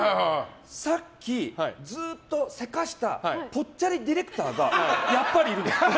さっきずっと急かしたぽっちゃりディレクターがやっぱりいるの。